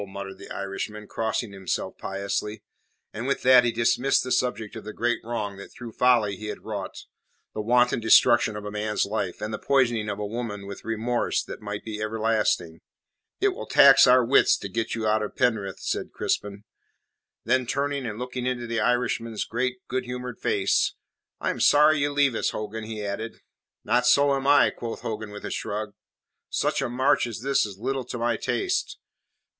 muttered the Irishman, crossing himself piously. And with that he dismissed the subject of the great wrong that through folly he had wrought the wanton destruction of a man's life, and the poisoning of a woman's with a remorse that might be everlasting. "It will tax our wits to get you out of Penrith," said Crispin. Then, turning and looking into the Irishman's great, good humoured face "I am sorry you leave us, Hogan," he added. "Not so am I," quoth Hogan with a shrug. "Such a march as this is little to my taste.